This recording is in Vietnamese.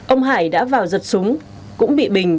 ông hải đã vào giật súng cũng bị bình